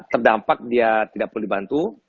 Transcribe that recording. terdampak dia tidak perlu dibantu